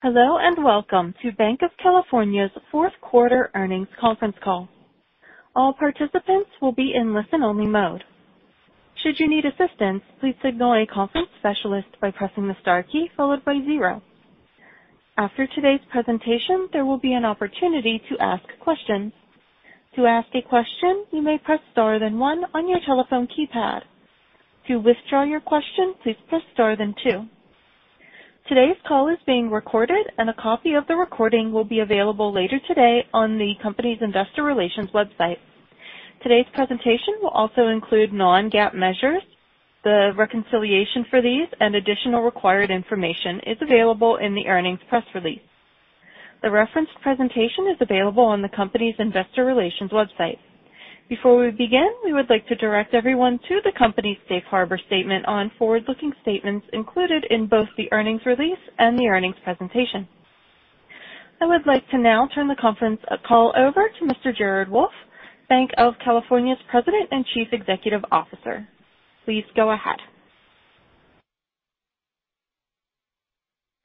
Hello, and welcome to Banc of California's fourth quarter earnings conference call. All participants will be in listen-only mode. Should you need assistance, please signal a conference specialist by pressing the star key followed by zero. After today's presentation, there will be an opportunity to ask questions. To ask a question, you may press star then one on your telephone keypad. To withdraw your question, please press star then two. Today's call is being recorded, and a copy of the recording will be available later today on the company's Investor Relations website. Today's presentation will also include non-GAAP measures. The reconciliation for these and additional required information is available in the earnings press release. The referenced presentation is available on the company's Investor Relations website. Before we begin, we would like to direct everyone to the company's Safe Harbor statement on forward-looking statements included in both the earnings release and the earnings presentation. I would like to now turn the conference call over to Mr. Jared Wolff, Banc of California's President and Chief Executive Officer. Please go ahead.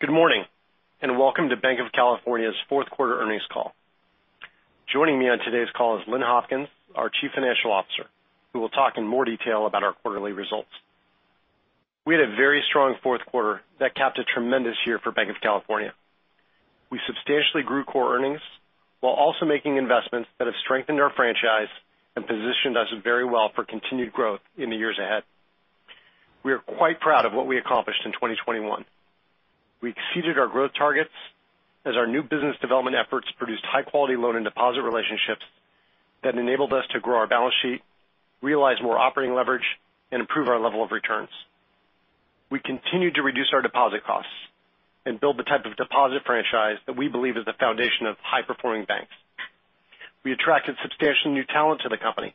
Good morning, and welcome to Banc of California's fourth quarter earnings call. Joining me on today's call is Lynn Hopkins, our Chief Financial Officer, who will talk in more detail about our quarterly results. We had a very strong fourth quarter that capped a tremendous year for Banc of California. We substantially grew core earnings while also making investments that have strengthened our franchise and positioned us very well for continued growth in the years ahead. We are quite proud of what we accomplished in 2021. We exceeded our growth targets as our new business development efforts produced high-quality loan and deposit relationships that enabled us to grow our balance sheet, realize more operating leverage, and improve our level of returns. We continued to reduce our deposit costs and build the type of deposit franchise that we believe is the foundation of high-performing banks. We attracted substantial new talent to the company,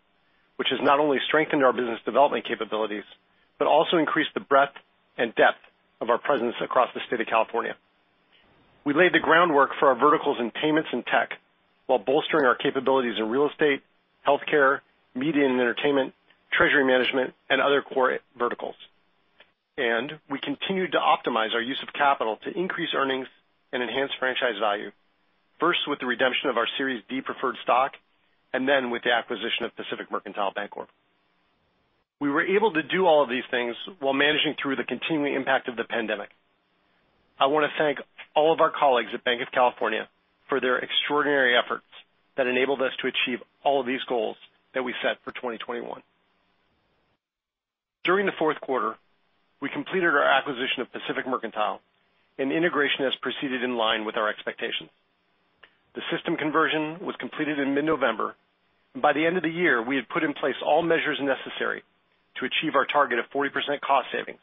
which has not only strengthened our business development capabilities but also increased the breadth and depth of our presence across the state of California. We laid the groundwork for our verticals in payments and tech while bolstering our capabilities in real estate, healthcare, media and entertainment, treasury management, and other core verticals. We continued to optimize our use of capital to increase earnings and enhance franchise value, first with the redemption of our Series D preferred stock and then with the acquisition of Pacific Mercantile Bancorp. We were able to do all of these things while managing through the continuing impact of the pandemic. I wanna thank all of our colleagues at Banc of California for their extraordinary efforts that enabled us to achieve all of these goals that we set for 2021. During the fourth quarter, we completed our acquisition of Pacific Mercantile, and integration has proceeded in line with our expectations. The system conversion was completed in mid-November. By the end of the year, we had put in place all measures necessary to achieve our target of 40% cost savings,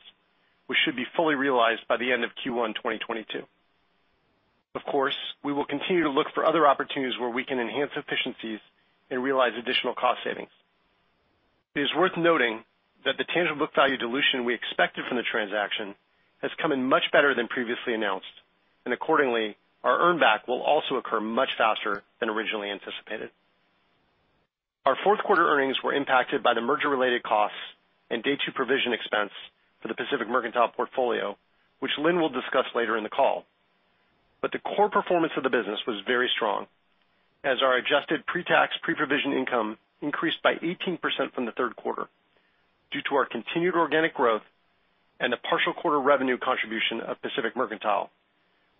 which should be fully realized by the end of Q1 2022. Of course, we will continue to look for other opportunities where we can enhance efficiencies and realize additional cost savings. It is worth noting that the tangible book value dilution we expected from the transaction has come in much better than previously announced, and accordingly, our earn back will also occur much faster than originally anticipated. Our fourth quarter earnings were impacted by the merger-related costs and day two provision expense for the Pacific Mercantile portfolio, which Lynn will discuss later in the call. The core performance of the business was very strong, as our adjusted pre-tax, pre-provision income increased by 18% from the third quarter due to our continued organic growth and the partial quarter revenue contribution of Pacific Mercantile,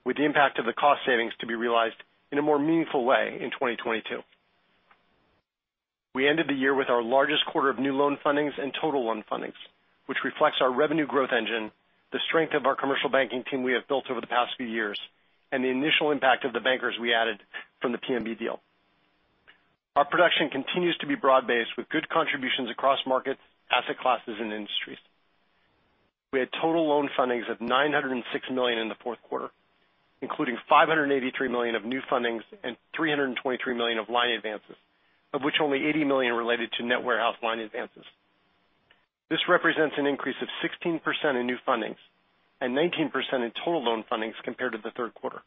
with the impact of the cost savings to be realized in a more meaningful way in 2022. We ended the year with our largest quarter of new loan fundings and total loan fundings, which reflects our revenue growth engine, the strength of our commercial banking team we have built over the past few years, and the initial impact of the bankers we added from the PMB deal. Our production continues to be broad-based with good contributions across markets, asset classes, and industries. We had total loan fundings of $906 million in the fourth quarter, including $583 million of new fundings and $323 million of line advances, of which only $80 million related to net warehouse line advances. This represents an increase of 16% in new fundings and 19% in total loan fundings compared to the third quarter.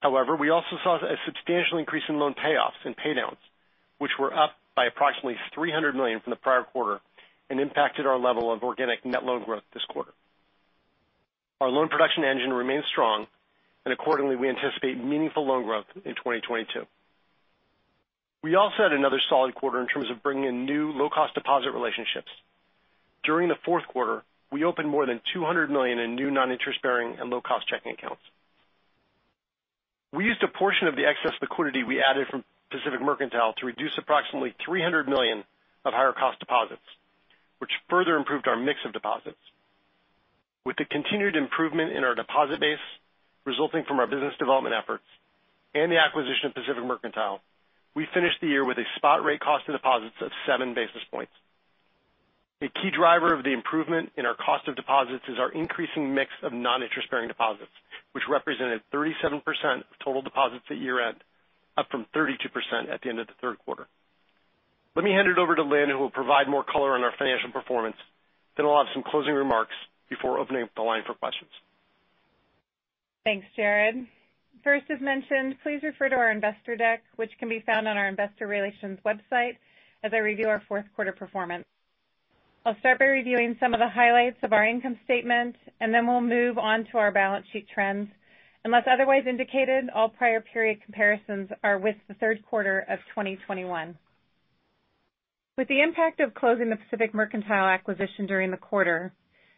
However, we also saw a substantial increase in loan payoffs and paydowns, which were up by approximately $300 million from the prior quarter and impacted our level of organic net loan growth this quarter. Our loan production engine remains strong, and accordingly, we anticipate meaningful loan growth in 2022. We also had another solid quarter in terms of bringing in new low-cost deposit relationships. During the fourth quarter, we opened more than $200 million in new non-interest-bearing and low-cost checking accounts. We used a portion of the excess liquidity we added from Pacific Mercantile to reduce approximately $300 million of higher-cost deposits, which further improved our mix of deposits. With the continued improvement in our deposit base resulting from our business development efforts and the acquisition of Pacific Mercantile, we finished the year with a spot rate cost of deposits of 7 basis points. A key driver of the improvement in our cost of deposits is our increasing mix of non-interest-bearing deposits, which represented 37% of total deposits at year-end, up from 32% at the end of the third quarter. Let me hand it over to Lynn, who will provide more color on our financial performance, then we'll have some closing remarks before opening up the line for questions. Thanks, Jared. First, as mentioned, please refer to our investor deck, which can be found on our Investor Relations website as I review our fourth quarter performance. I'll start by reviewing some of the highlights of our income statement, and then we'll move on to our balance sheet trends. Unless otherwise indicated, all prior period comparisons are with the third quarter of 2021. With the impact of closing the Pacific Mercantile acquisition during the quarter,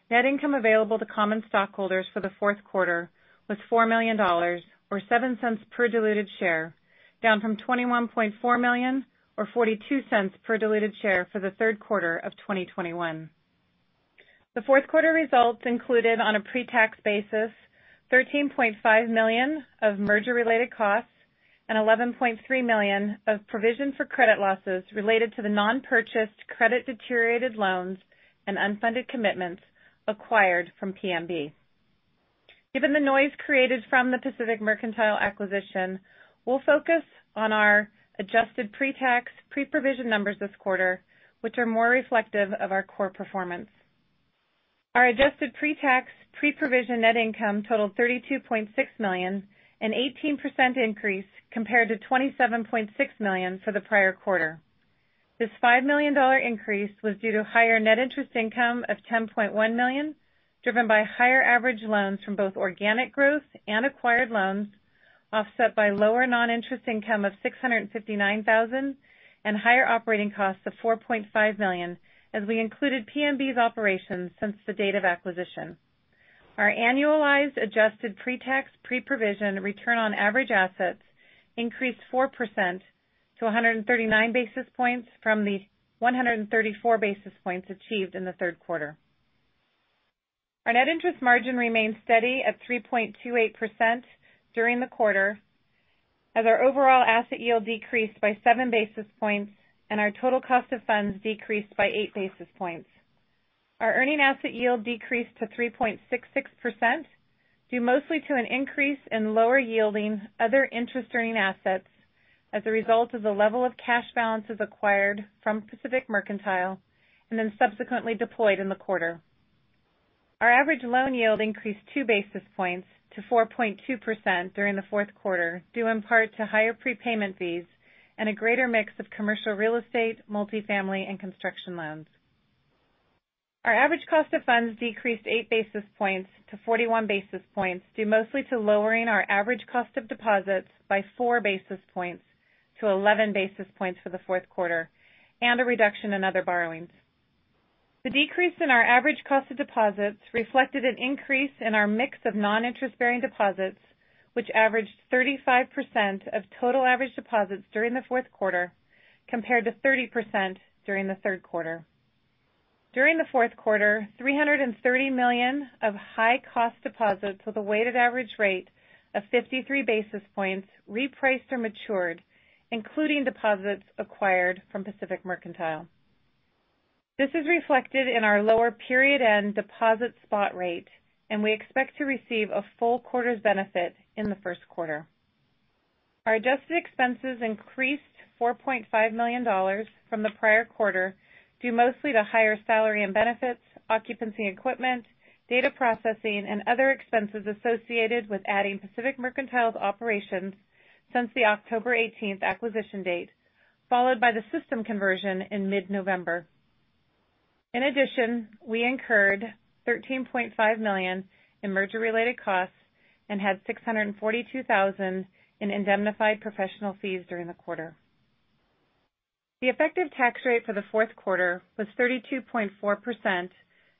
net income available to common stockholders for the fourth quarter was $4 million, or $0.07 per diluted share, down from $21.4 million or $0.42 per diluted share for the third quarter of 2021. The fourth quarter results included on a pre-tax basis, $13.5 million of merger-related costs and $11.3 million of provision for credit losses related to the non-purchased credit deteriorated loans and unfunded commitments acquired from PMB. Given the noise created from the Pacific Mercantile acquisition, we'll focus on our adjusted pre-tax, pre-provision numbers this quarter, which are more reflective of our core performance. Our adjusted pre-tax, pre-provision net income totaled $32.6 million, an 18% increase compared to $27.6 million for the prior quarter. This $5 million increase was due to higher net interest income of $10.1 million, driven by higher average loans from both organic growth and acquired loans, offset by lower non-interest income of $659,000 and higher operating costs of $4.5 million as we included PMB's operations since the date of acquisition. Our annualized adjusted pre-tax, pre-provision return on average assets increased 4% to 139 basis points from the 134 basis points achieved in the third quarter. Our net interest margin remained steady at 3.28% during the quarter as our overall asset yield decreased by 7 basis points and our total cost of funds decreased by 8 basis points. Our earning asset yield decreased to 3.66% due mostly to an increase in lower yielding other interest earning assets as a result of the level of cash balances acquired from Pacific Mercantile and then subsequently deployed in the quarter. Our average loan yield increased 2 basis points to 4.2% during the fourth quarter, due in part to higher prepayment fees and a greater mix of commercial real estate, multifamily, and construction loans. Our average cost of funds decreased 8 basis points to 41 basis points, due mostly to lowering our average cost of deposits by 4 basis points to 11 basis points for the fourth quarter and a reduction in other borrowings. The decrease in our average cost of deposits reflected an increase in our mix of non-interest-bearing deposits, which averaged 35% of total average deposits during the fourth quarter, compared to 30% during the third quarter. During the fourth quarter, $330 million of high-cost deposits with a weighted average rate of 53 basis points repriced or matured, including deposits acquired from Pacific Mercantile. This is reflected in our lower period end deposit spot rate, and we expect to receive a full quarter's benefit in the first quarter. Our adjusted expenses increased $4.5 million from the prior quarter, due mostly to higher salary and benefits, occupancy and equipment, data processing, and other expenses associated with adding Pacific Mercantile's operations since the October 18 acquisition date, followed by the system conversion in mid-November. In addition, we incurred $13.5 million in merger-related costs and had $642,000 in indemnified professional fees during the quarter. The effective tax rate for the fourth quarter was 32.4%,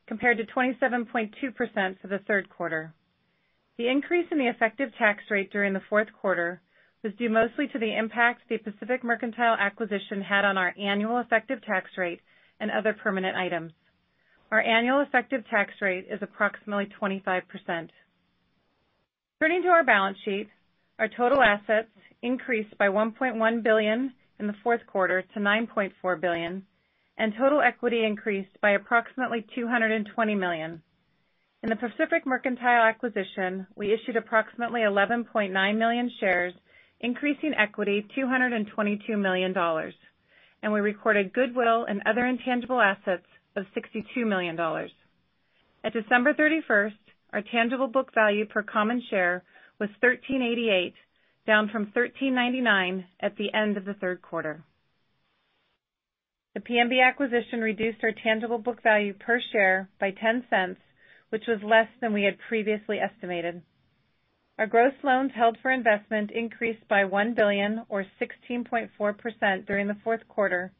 compared to 27.2% for the third quarter. The increase in the effective tax rate during the fourth quarter was due mostly to the impact the Pacific Mercantile acquisition had on our annual effective tax rate and other permanent items. Our annual effective tax rate is approximately 25%. Turning to our balance sheet, our total assets increased by $1.1 billion in the fourth quarter to $9.4 billion, and total equity increased by approximately $220 million. In the Pacific Mercantile acquisition, we issued approximately 11.9 million shares, increasing equity $222 million, and we recorded goodwill and other intangible assets of $62 million. At December 31st, our tangible book value per common share was $13.88, down from $13.99 at the end of the third quarter. The PMB acquisition reduced our tangible book value per share by $0.10, which was less than we had previously estimated. Our gross loans held for investment increased by $1 billion or 16.4% during the fourth quarter,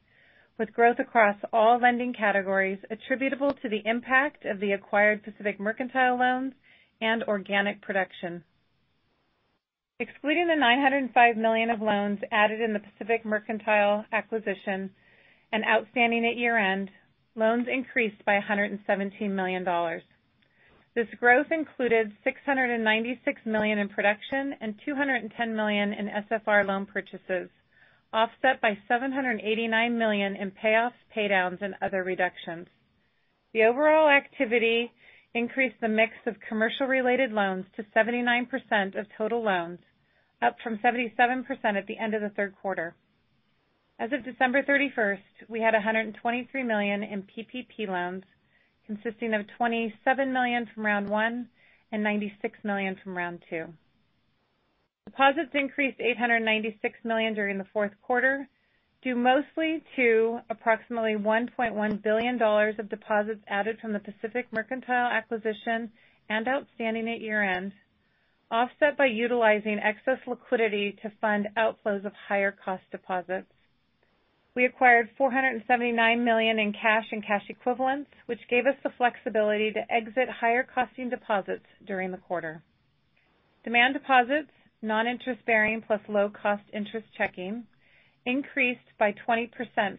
with growth across all lending categories attributable to the impact of the acquired Pacific Mercantile loans and organic production. Excluding the $905 million of loans added in the Pacific Mercantile acquisition and outstanding at year-end, loans increased by $117 million. This growth included $696 million in production and $210 million in SFR loan purchases, offset by $789 million in payoffs, paydowns, and other reductions. The overall activity increased the mix of commercial-related loans to 79% of total loans, up from 77% at the end of the third quarter. As of December 31st, we had $123 million in PPP loans, consisting of $27 million from Round 1 and $96 million from Round 2. Deposits increased $896 million during the fourth quarter, due mostly to approximately $1.1 billion of deposits added from the Pacific Mercantile acquisition and outstanding at year-end, offset by utilizing excess liquidity to fund outflows of higher cost deposits. We acquired $479 million in cash and cash equivalents, which gave us the flexibility to exit higher costing deposits during the quarter. Demand deposits, non-interest bearing plus low-cost interest checking increased by 20%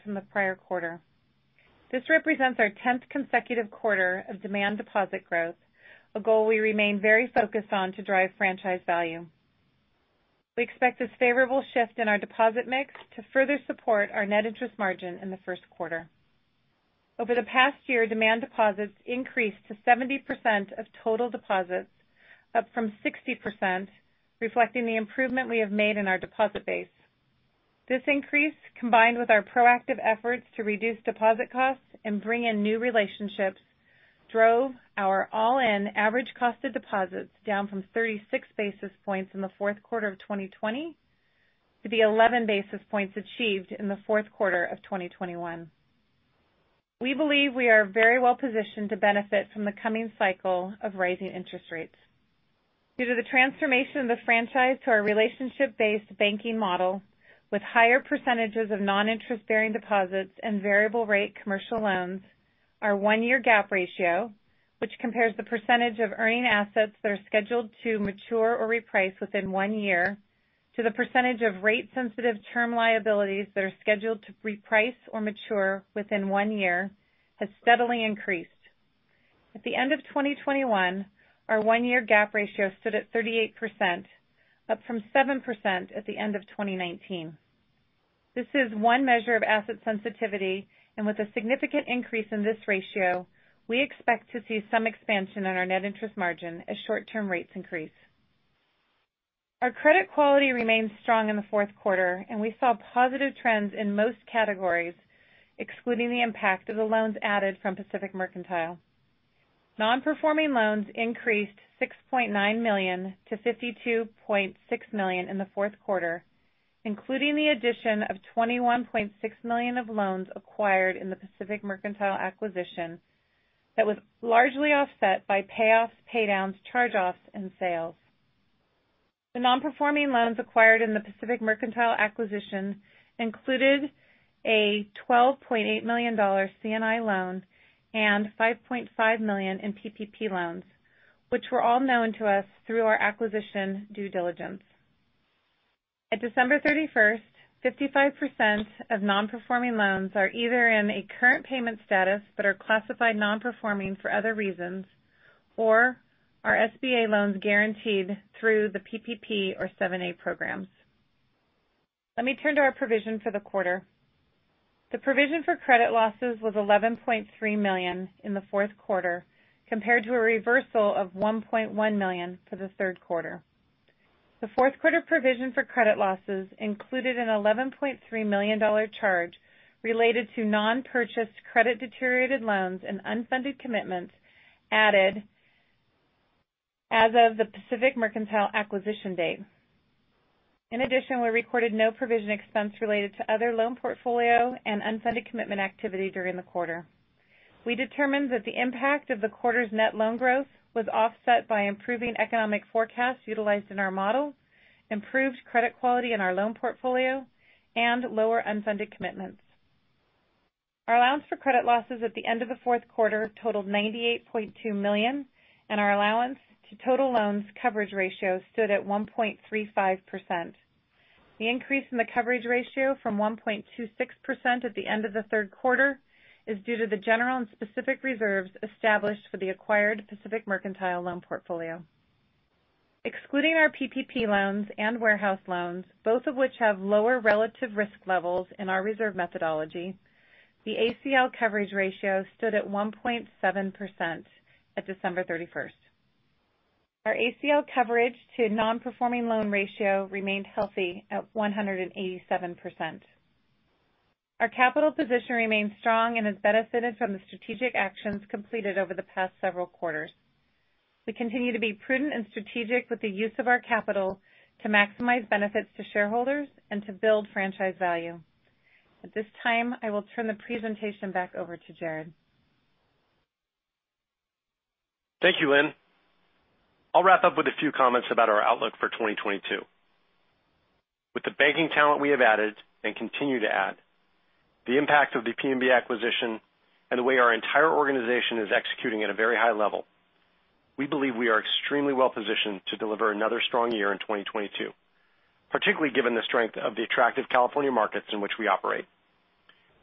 from the prior quarter. This represents our 10th consecutive quarter of demand deposit growth, a goal we remain very focused on to drive franchise value. We expect this favorable shift in our deposit mix to further support our net interest margin in the first quarter. Over the past year, demand deposits increased to 70% of total deposits, up from 60%, reflecting the improvement we have made in our deposit base. This increase, combined with our proactive efforts to reduce deposit costs and bring in new relationships, drove our all-in average cost of deposits down from 36 basis points in the fourth quarter of 2020 to the 11 basis points achieved in the fourth quarter of 2021. We believe we are very well positioned to benefit from the coming cycle of rising interest rates. Due to the transformation of the franchise to our relationship-based banking model with higher percentages of non-interest bearing deposits and variable rate commercial loans, our one-year gap ratio, which compares the percentage of earning assets that are scheduled to mature or reprice within one year to the percentage of rate sensitive term liabilities that are scheduled to reprice or mature within one year, has steadily increased. At the end of 2021, our one-year gap ratio stood at 38%, up from 7% at the end of 2019. This is one measure of asset sensitivity, and with a significant increase in this ratio, we expect to see some expansion on our net interest margin as short-term rates increase. Our credit quality remained strong in the fourth quarter and we saw positive trends in most categories, excluding the impact of the loans added from Pacific Mercantile. Non-performing loans increased $6.9 million to $52.6 million in the fourth quarter, including the addition of $21.6 million of loans acquired in the Pacific Mercantile acquisition that was largely offset by payoffs, pay downs, charge offs, and sales. The non-performing loans acquired in the Pacific Mercantile acquisition included a $12.8 million C&I loan and $5.5 million in PPP loans, which were all known to us through our acquisition due diligence. At December 31st, 55% of non-performing loans are either in a current payment status but are classified non-performing for other reasons, or are SBA loans guaranteed through the PPP or 7(a) programs. Let me turn to our provision for the quarter. The provision for credit losses was $11.3 million in the fourth quarter compared to a reversal of $1.1 million for the third quarter. The fourth quarter provision for credit losses included a $11.3 million charge related to non-purchased credit deteriorated loans and unfunded commitments added as of the Pacific Mercantile acquisition date. In addition, we recorded no provision expense related to other loan portfolio and unfunded commitment activity during the quarter. We determined that the impact of the quarter's net loan growth was offset by improving economic forecasts utilized in our model, improved credit quality in our loan portfolio, and lower unfunded commitments. Our allowance for credit losses at the end of the fourth quarter totaled $98.2 million, and our allowance to total loans coverage ratio stood at 1.35%. The increase in the coverage ratio from 1.26% at the end of the third quarter is due to the general and specific reserves established for the acquired Pacific Mercantile loan portfolio. Excluding our PPP loans and warehouse loans, both of which have lower relative risk levels in our reserve methodology, the ACL coverage ratio stood at 1.7% at December 31st. Our ACL coverage to non-performing loan ratio remained healthy at 187%. Our capital position remains strong and has benefited from the strategic actions completed over the past several quarters. We continue to be prudent and strategic with the use of our capital to maximize benefits to shareholders and to build franchise value. At this time, I will turn the presentation back over to Jared. Thank you, Lynn. I'll wrap up with a few comments about our outlook for 2022. With the banking talent we have added and continue to add, the impact of the PMB acquisition and the way our entire organization is executing at a very high level, we believe we are extremely well-positioned to deliver another strong year in 2022. Particularly given the strength of the attractive California markets in which we operate.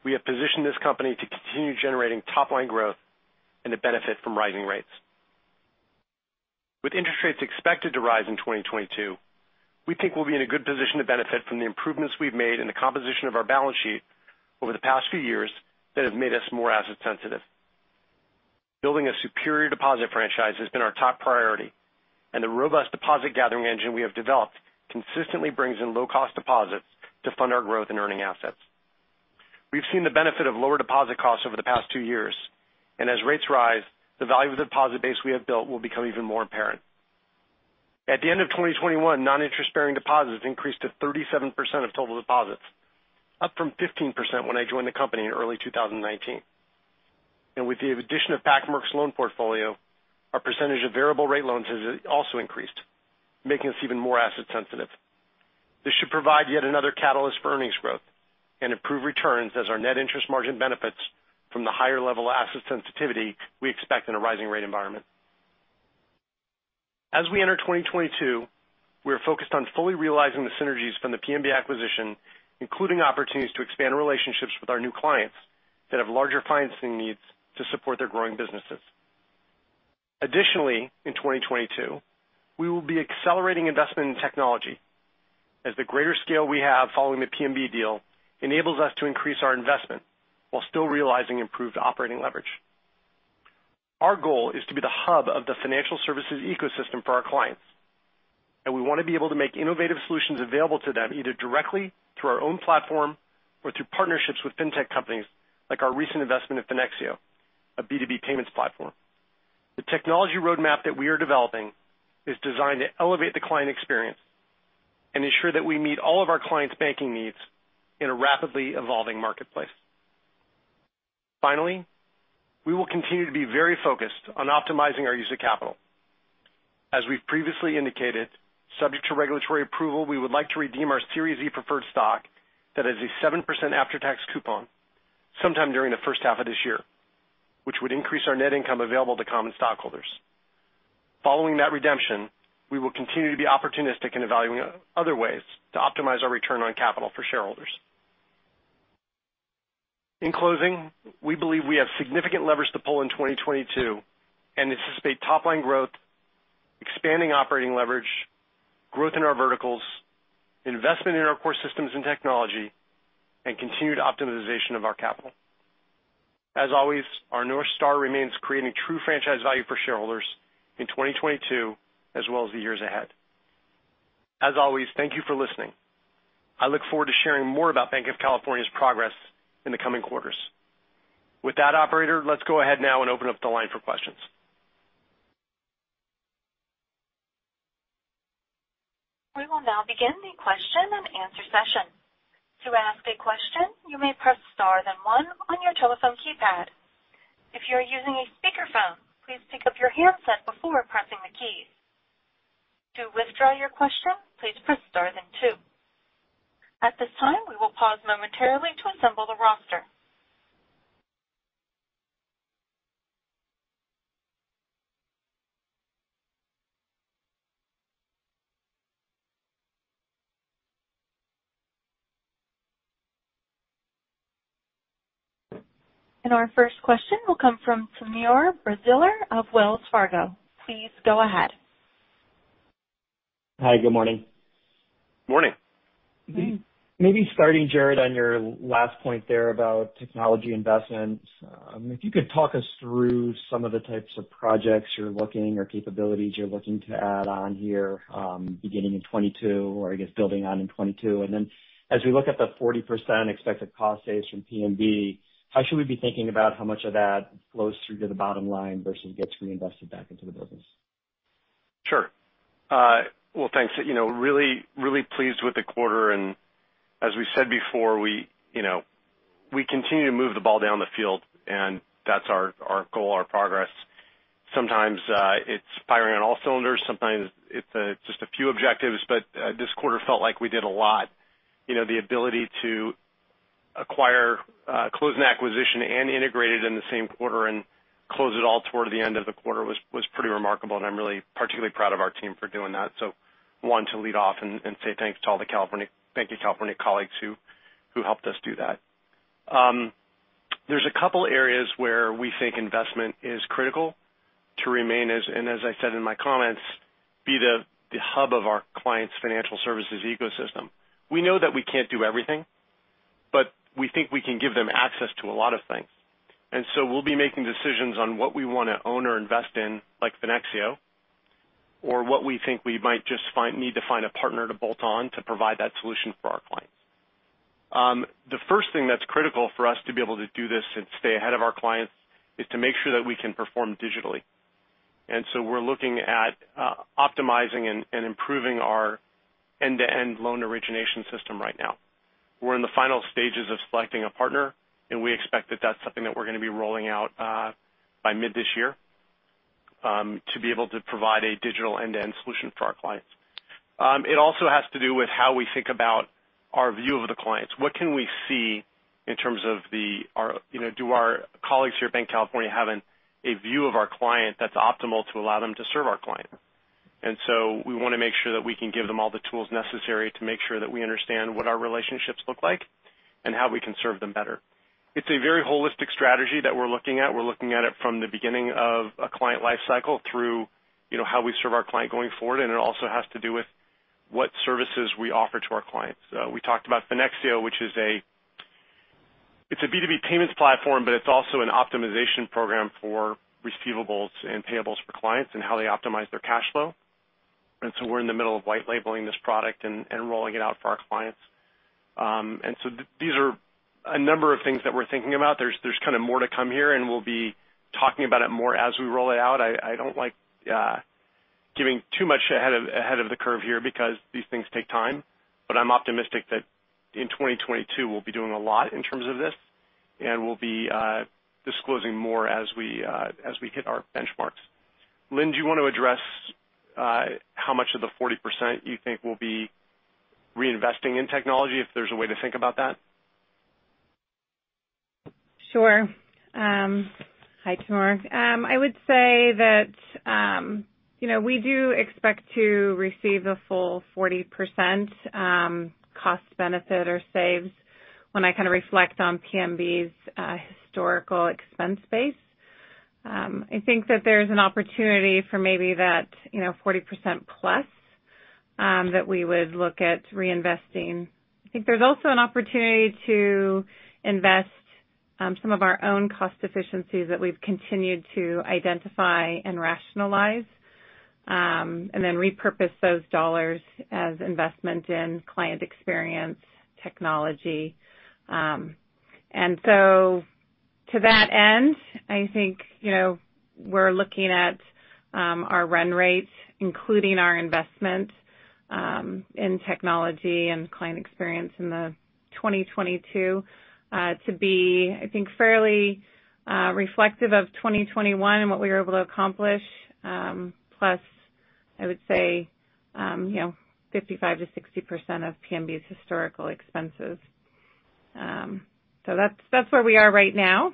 We have positioned this company to continue generating top line growth and to benefit from rising rates. With interest rates expected to rise in 2022, we think we'll be in a good position to benefit from the improvements we've made in the composition of our balance sheet over the past few years that have made us more asset sensitive. Building a superior deposit franchise has been our top priority, and the robust deposit gathering engine we have developed consistently brings in low cost deposits to fund our growth in earning assets. We've seen the benefit of lower deposit costs over the past two years. As rates rise, the value of the deposit base we have built will become even more apparent. At the end of 2021, non-interest bearing deposits increased to 37% of total deposits, up from 15% when I joined the company in early 2019. With the addition of Pac-Merc's loan portfolio, our percentage of variable rate loans has also increased, making us even more asset sensitive. This should provide yet another catalyst for earnings growth and improve returns as our net interest margin benefits from the higher level asset sensitivity we expect in a rising rate environment. As we enter 2022, we are focused on fully realizing the synergies from the PMB acquisition, including opportunities to expand relationships with our new clients that have larger financing needs to support their growing businesses. Additionally, in 2022, we will be accelerating investment in technology as the greater scale we have following the PMB deal enables us to increase our investment while still realizing improved operating leverage. Our goal is to be the hub of the financial services ecosystem for our clients, and we want to be able to make innovative solutions available to them, either directly through our own platform or through partnerships with fintech companies like our recent investment in Finexio, a B2B payments platform. The technology roadmap that we are developing is designed to elevate the client experience and ensure that we meet all of our clients banking needs in a rapidly evolving marketplace. Finally, we will continue to be very focused on optimizing our use of capital. As we've previously indicated, subject to regulatory approval, we would like to redeem our Series E preferred stock that has a 7% after-tax coupon sometime during the first half of this year, which would increase our net income available to common stockholders. Following that redemption, we will continue to be opportunistic in evaluating other ways to optimize our return on capital for shareholders. In closing, we believe we have significant levers to pull in 2022 and anticipate top line growth, expanding operating leverage, growth in our verticals, investment in our core systems and technology, and continued optimization of our capital. As always, our North Star remains creating true franchise value for shareholders in 2022 as well as the years ahead. As always, thank you for listening. I look forward to sharing more about Banc of California's progress in the coming quarters. With that, operator, let's go ahead now and open up the line for questions. We will now begin the question and answer session. To ask a question, you may press star then one on your telephone keypad. If you're using a speaker phone, please pick up your handset before pressing the keys. To withdraw your question, please press star then two. At this time, we will pause momentarily to assemble the roster. Our first question will come from Timur Braziler of Wells Fargo. Please go ahead. Hi. Good morning. Morning. Maybe starting, Jared, on your last point there about technology investments. If you could talk us through some of the types of projects you're looking or capabilities you're looking to add on here, beginning in 2022, or I guess building on in 2022. As we look at the 40% expected cost saves from PMB, how should we be thinking about how much of that flows through to the bottom line versus gets reinvested back into the business? Sure. Well, thanks. You know, really, really pleased with the quarter. As we said before, you know, we continue to move the ball down the field and that's our goal, our progress. Sometimes, it's firing on all cylinders, sometimes it's just a few objectives. This quarter felt like we did a lot. You know, the ability to acquire, close an acquisition and integrate it in the same quarter and close it all toward the end of the quarter was pretty remarkable. I'm really particularly proud of our team for doing that. Wanted to lead off and say thanks to all the California colleagues who helped us do that. There's a couple areas where we think investment is critical to remain, as I said in my comments, be the hub of our clients' financial services ecosystem. We know that we can't do everything, but we think we can give them access to a lot of things. We'll be making decisions on what we want to own or invest in, like Finexio or what we think we might just need to find a partner to bolt on to provide that solution for our clients. The first thing that's critical for us to be able to do this and stay ahead of our clients is to make sure that we can perform digitally. We're looking at optimizing and improving our end-to-end loan origination system right now. We're in the final stages of selecting a partner, and we expect that that's something that we're going to be rolling out by mid this year to be able to provide a digital end-to-end solution for our clients. It also has to do with how we think about our view of the clients. What can we see in terms of our, you know, do our colleagues here at Banc of California have a view of our client that's optimal to allow them to serve our client? We want to make sure that we can give them all the tools necessary to make sure that we understand what our relationships look like and how we can serve them better. It's a very holistic strategy that we're looking at. We're looking at it from the beginning of a client life cycle through, you know, how we serve our client going forward. It also has to do with what services we offer to our clients. We talked about Finexio, which is a B2B payments platform, but it's also an optimization program for receivables and payables for clients and how they optimize their cash flow. We're in the middle of white labeling this product and rolling it out for our clients. These are a number of things that we're thinking about. There's kind of more to come here, and we'll be talking about it more as we roll it out. I don't like giving too much ahead of the curve here because these things take time. I'm optimistic that in 2022 we'll be doing a lot in terms of this, and we'll be disclosing more as we hit our benchmarks. Lynn, do you want to address how much of the 40% you think we'll be reinvesting in technology, if there's a way to think about that? Sure. Hi, Timur. I would say that, you know, we do expect to receive the full 40% cost benefit or saves when I kind of reflect on PMB's historical expense base. I think that there's an opportunity for maybe that, you know, 40%+ that we would look at reinvesting. I think there's also an opportunity to invest some of our own cost efficiencies that we've continued to identify and rationalize, and then repurpose those dollars as investment in client experience technology. To that end, I think, you know, we're looking at our run rate, including our investment in technology and client experience in 2022 to be, I think, fairly reflective of 2021 and what we were able to accomplish, plus I would say, you know, 55%-60% of PMB's historical expenses. That's where we are right now.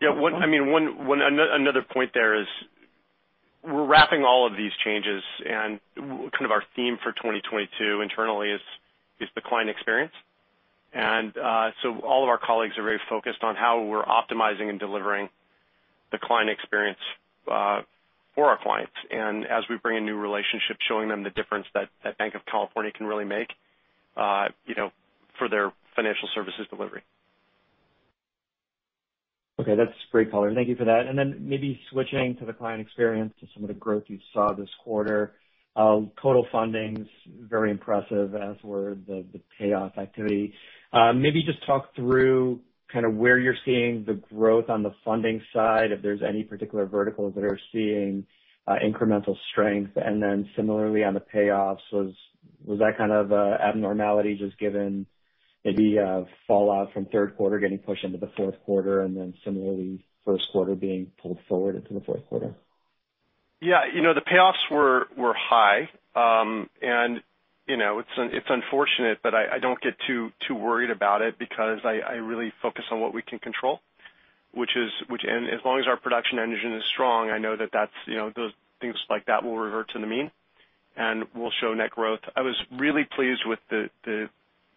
Yeah. Another point there is we're wrapping all of these changes and kind of our theme for 2022 internally is the client experience. All of our colleagues are very focused on how we're optimizing and delivering the client experience for our clients. As we bring in new relationships, showing them the difference that Banc of California can really make, you know, for their financial services delivery. Okay. That's great color. Thank you for that. Maybe switching to the client experience to some of the growth you saw this quarter. Total fundings, very impressive as were the payoff activity. Maybe just talk through kind of where you're seeing the growth on the funding side, if there's any particular verticals that are seeing incremental strength. Similarly on the payoffs, was that kind of abnormality just given maybe fallout from third quarter getting pushed into the fourth quarter, and then similarly first quarter being pulled forward into the fourth quarter? Yeah. You know, the payoffs were high. You know, it's unfortunate, but I don't get too worried about it because I really focus on what we can control, which is and as long as our production engine is strong, I know that that's, you know, those things like that will revert to the mean, and we'll show net growth. I was really pleased with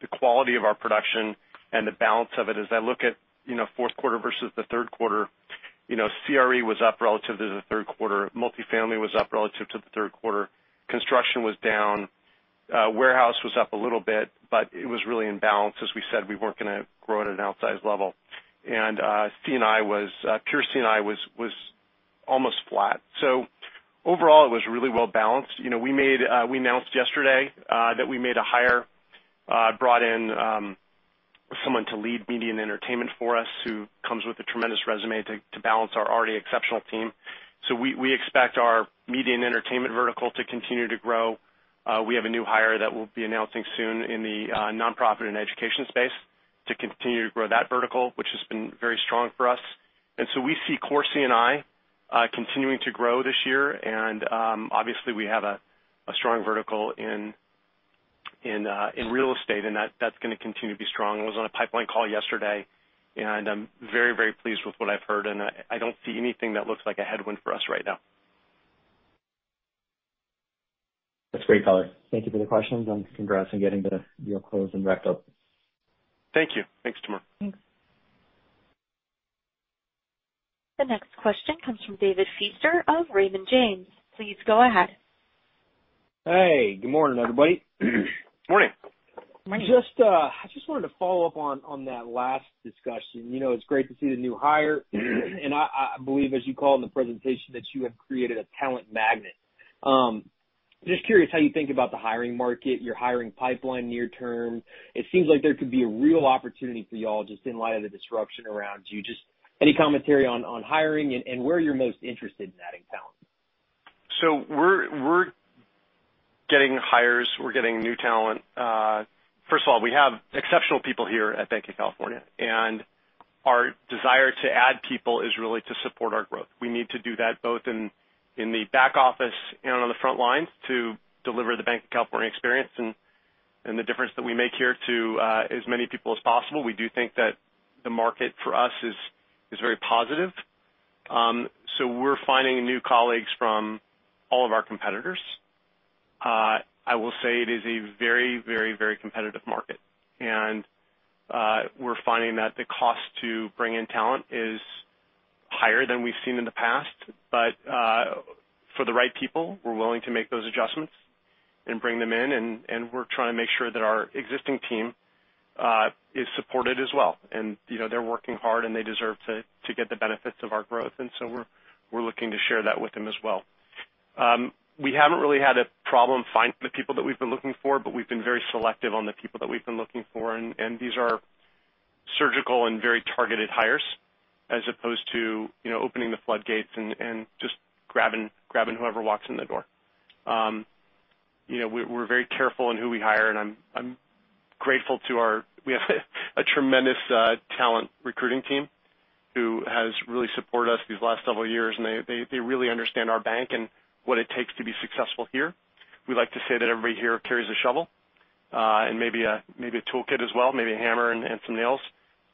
the quality of our production and the balance of it. As I look at, you know, fourth quarter versus the third quarter, you know, CRE was up relative to the third quarter. Multifamily was up relative to the third quarter. Construction was down. Warehouse was up a little bit, but it was really in balance. As we said, we weren't gonna grow at an outsized level. C&I was, pure C&I was almost flat. Overall, it was really well-balanced. You know, we announced yesterday that we made a hire, brought in someone to lead media and entertainment for us who comes with a tremendous resume to balance our already exceptional team. We expect our media and entertainment vertical to continue to grow. We have a new hire that we'll be announcing soon in the nonprofit and education space to continue to grow that vertical, which has been very strong for us. We see core C&I continuing to grow this year. Obviously we have a strong vertical in real estate, and that's gonna continue to be strong. I was on a pipeline call yesterday, and I'm very, very pleased with what I've heard, and I don't see anything that looks like a headwind for us right now. That's great color. Thank you for the questions and congrats on getting the deal closed and wrapped up. Thank you. Thanks, Timur. Thanks. The next question comes from David Feaster of Raymond James. Please go ahead. Hey, good morning, everybody. Morning. Morning. Just I just wanted to follow up on that last discussion. You know, it's great to see the new hire, and I believe as you called in the presentation, that you have created a talent magnet. Just curious how you think about the hiring market, your hiring pipeline near term. It seems like there could be a real opportunity for y'all just in light of the disruption around you. Just any commentary on hiring and where you're most interested in adding talent? We're getting hires, we're getting new talent. First of all, we have exceptional people here at Banc of California, and our desire to add people is really to support our growth. We need to do that both in the back office and on the front lines to deliver the Banc of California experience and the difference that we make here to as many people as possible. We do think that the market for us is very positive. We're finding new colleagues from all of our competitors. I will say it is a very competitive market. We're finding that the cost to bring in talent is higher than we've seen in the past. For the right people, we're willing to make those adjustments. Bring them in, and we're trying to make sure that our existing team is supported as well. You know, they're working hard, and they deserve to get the benefits of our growth. We're looking to share that with them as well. We haven't really had a problem finding the people that we've been looking for, but we've been very selective on the people that we've been looking for. These are surgical and very targeted hires as opposed to, you know, opening the floodgates and just grabbing whoever walks in the door. You know, we're very careful in who we hire, and I'm grateful to our tremendous talent recruiting team who has really supported us these last several years. They really understand our bank and what it takes to be successful here. We like to say that everybody here carries a shovel, and maybe a toolkit as well, maybe a hammer and some nails.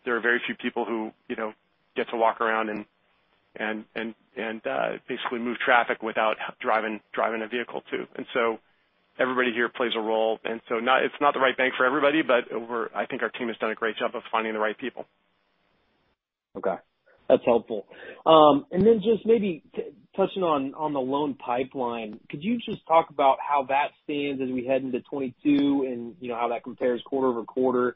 There are very few people who, you know, get to walk around and basically move traffic without driving a vehicle too. Everybody here plays a role. It's not the right bank for everybody, but I think our team has done a great job of finding the right people. Okay, that's helpful. And then just maybe touching on the loan pipeline. Could you just talk about how that stands as we head into 2022 and, you know, how that compares quarter-over-quarter?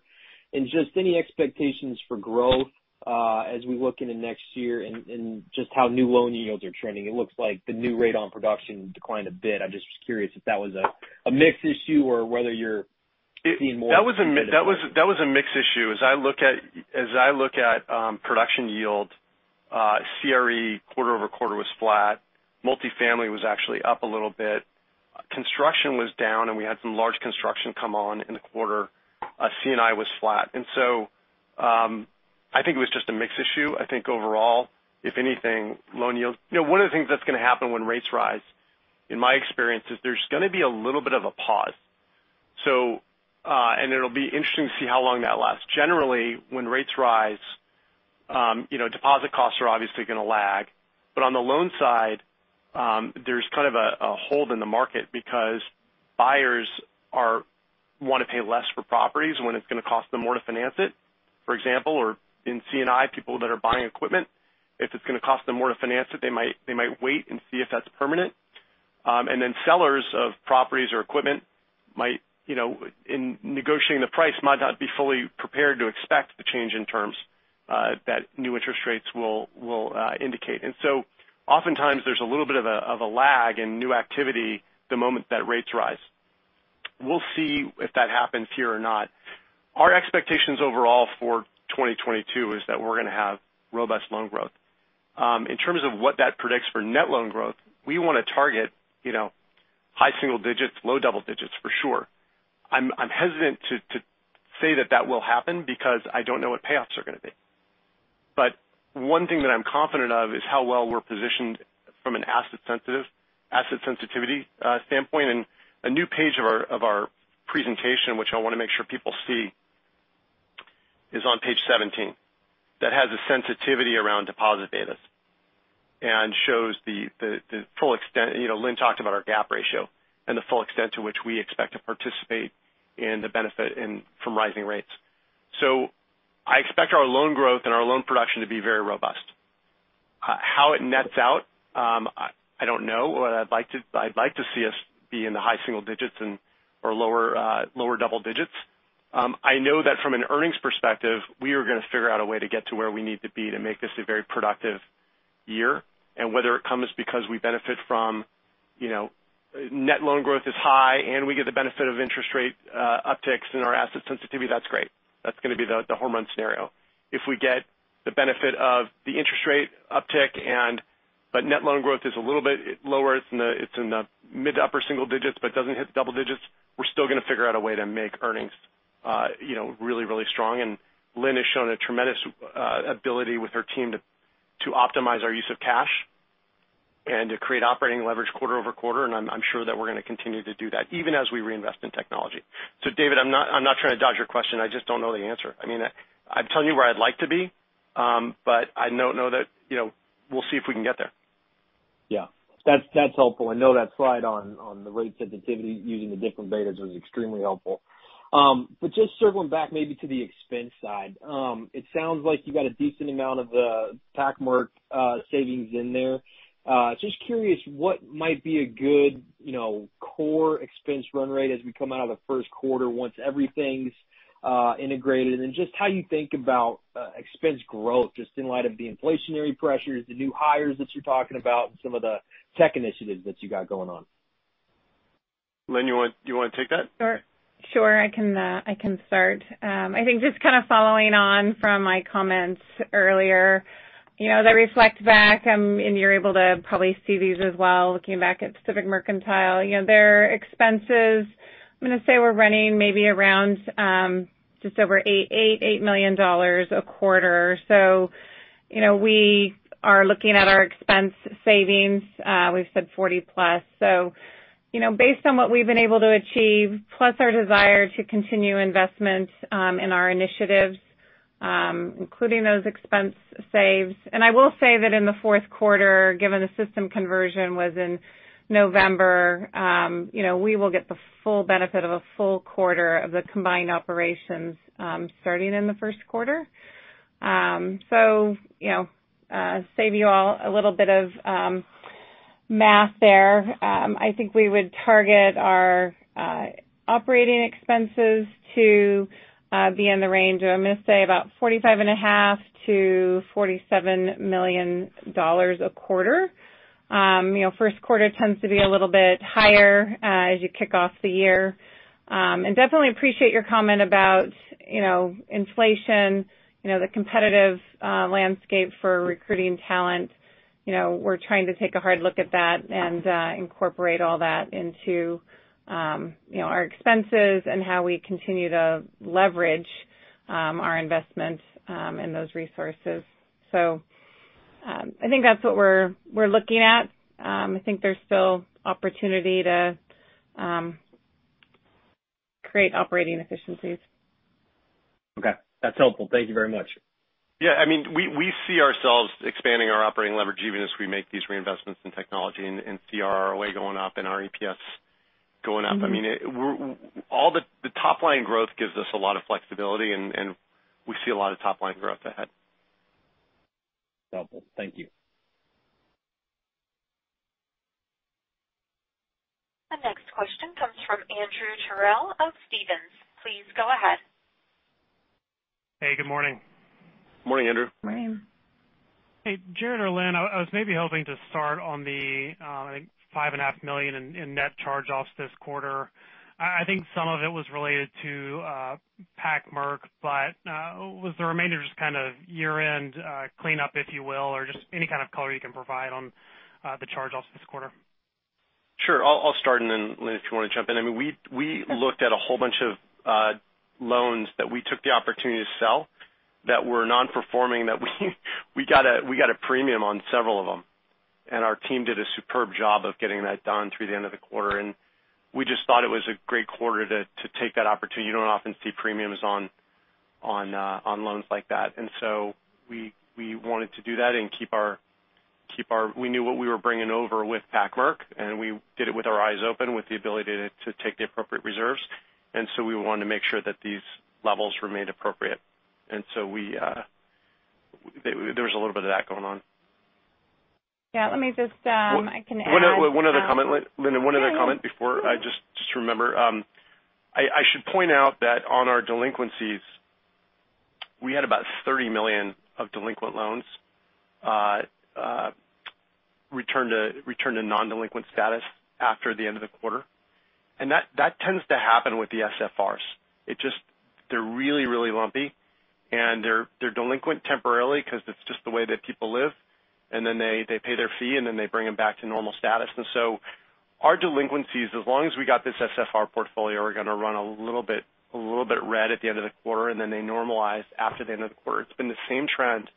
Just any expectations for growth as we look into next year and just how new loan yields are trending. It looks like the new rate on production declined a bit. I'm just curious if that was a mix issue or whether you're seeing more. That was a mix issue. As I look at production yield, CRE quarter-over-quarter was flat. Multifamily was actually up a little bit. Construction was down, and we had some large construction come on in the quarter. C&I was flat. I think it was just a mix issue. I think overall, if anything, loan yields. You know, one of the things that's gonna happen when rates rise, in my experience, is there's gonna be a little bit of a pause. It'll be interesting to see how long that lasts. Generally, when rates rise, you know, deposit costs are obviously gonna lag. On the loan side, there's kind of a hold in the market because buyers want to pay less for properties when it's gonna cost them more to finance it, for example. In C&I, people that are buying equipment, if it's gonna cost them more to finance it, they might wait and see if that's permanent. Sellers of properties or equipment might, you know, in negotiating the price, might not be fully prepared to expect the change in terms that new interest rates will indicate. Oftentimes there's a little bit of a lag in new activity the moment that rates rise. We'll see if that happens here or not. Our expectations overall for 2022 is that we're gonna have robust loan growth. In terms of what that predicts for net loan growth, we wanna target, you know, high single digits, low double digits for sure. I'm hesitant to say that will happen because I don't know what payoffs are gonna be. One thing that I'm confident of is how well we're positioned from an asset sensitivity standpoint. A new page of our presentation, which I wanna make sure people see, is on page 17. That has a sensitivity around deposit betas and shows the full extent. You know, Lynn talked about our gap ratio and the full extent to which we expect to participate in the benefit from rising rates. I expect our loan growth and our loan production to be very robust. How it nets out, I don't know. I'd like to see us be in the high single digits and or lower double digits. I know that from an earnings perspective, we are gonna figure out a way to get to where we need to be to make this a very productive year. Whether it comes because we benefit from, you know, net loan growth is high, and we get the benefit of interest rate upticks in our asset sensitivity, that's great. That's gonna be the home run scenario. If we get the benefit of the interest rate uptick but net loan growth is a little bit lower, it's in the mid to upper single digits, but doesn't hit double digits, we're still gonna figure out a way to make earnings, you know, really, really strong. Lynn has shown a tremendous ability with her team to optimize our use of cash and to create operating leverage quarter-over-quarter. I'm sure that we're gonna continue to do that even as we reinvest in technology. David, I'm not trying to dodge your question. I just don't know the answer. I mean, I'm telling you where I'd like to be. But I don't know that, you know, we'll see if we can get there. Yeah. That's helpful. I know that slide on the rate sensitivity using the different betas was extremely helpful. But just circling back maybe to the expense side. It sounds like you got a decent amount of Pac-Merc savings in there. Just curious what might be a good, you know, core expense run rate as we come out of the first quarter once everything's integrated. Just how you think about expense growth, just in light of the inflationary pressures, the new hires that you're talking about, and some of the tech initiatives that you got going on. Lynn, you wanna take that? Sure, sure. I can start. I think just kind of following on from my comments earlier, you know, the reflect back, and you're able to probably see these as well, looking back at Pacific Mercantile. You know, their expenses, I'm gonna say were running maybe around just over $8 million a quarter. You know, we are looking at our expense savings, we've said 40%+. You know, based on what we've been able to achieve, plus our desire to continue investments in our initiatives, including those expense saves. I will say that in the fourth quarter, given the system conversion was in November, you know, we will get the full benefit of a full quarter of the combined operations, starting in the first quarter. You know, save you all a little bit of math there. I think we would target our operating expenses to be in the range of, I'm gonna say about $45.5 million-$47 million a quarter. You know, first quarter tends to be a little bit higher, as you kick off the year. I definitely appreciate your comment about, you know, inflation, you know, the competitive landscape for recruiting talent. You know, we're trying to take a hard look at that and incorporate all that into, you know, our expenses and how we continue to leverage our investments and those resources. I think that's what we're looking at. I think there's still opportunity to create operating efficiencies. Okay. That's helpful. Thank you very much. Yeah, I mean, we see ourselves expanding our operating leverage even as we make these reinvestments in technology and see our ROA going up and our EPS going up. Mm-hmm. I mean, the top line growth gives us a lot of flexibility and we see a lot of top line growth ahead. Helpful. Thank you. The next question comes from Andrew Terrell of Stephens. Please go ahead. Hey, good morning. Morning, Andrew. Morning. Hey, Jared or Lynn, I was maybe hoping to start on the $5.5 million in net charge-offs this quarter. I think some of it was related to Pac-Merc, but was the remainder just kind of year-end cleanup, if you will, or just any kind of color you can provide on the charge-offs this quarter? Sure. I'll start and then Lynn, if you wanna jump in. I mean, we looked at a whole bunch of loans that we took the opportunity to sell that were non-performing, that we got a premium on several of them. Our team did a superb job of getting that done through the end of the quarter. We just thought it was a great quarter to take that opportunity. You don't often see premiums on loans like that. We wanted to do that. We knew what we were bringing over with Pac-Merc, and we did it with our eyes open, with the ability to take the appropriate reserves. We wanted to make sure that these levels remained appropriate. there was a little bit of that going on. Yeah. Let me just, I can add— One other comment, Lynn, and one other comment before. I just remember. I should point out that on our delinquencies, we had about $30 million of delinquent loans return to non-delinquent status after the end of the quarter. That tends to happen with the SFRs. It just, they're really lumpy, and they're delinquent temporarily because it's just the way that people live. Then they pay their fee, and then they bring them back to normal status. Our delinquencies, as long as we got this SFR portfolio, are gonna run a little bit red at the end of the quarter, and then they normalize after the end of the quarter. It's been the same trend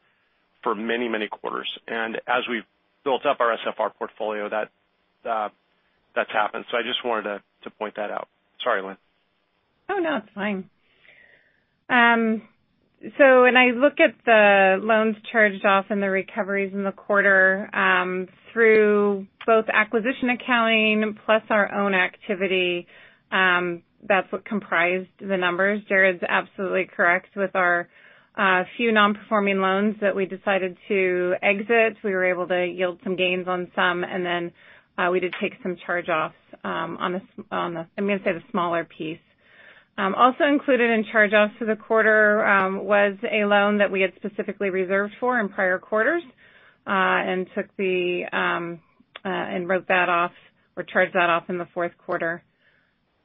for many quarters. As we've built up our SFR portfolio, that's happened. I just wanted to point that out. Sorry, Lynn. Oh, no, it's fine. When I look at the loans charged off and the recoveries in the quarter, through both acquisition accounting plus our own activity, that's what comprised the numbers. Jared's absolutely correct with our few non-performing loans that we decided to exit. We were able to yield some gains on some, and then we did take some charge-offs on the, I'm gonna say the smaller piece. Also included in charge-offs for the quarter was a loan that we had specifically reserved for in prior quarters and wrote that off or charged that off in the fourth quarter.